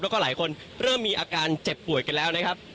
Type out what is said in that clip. แล้วก็หลายคนเริ่มมีอาการเจ็บป่วยกันแล้วนะครับ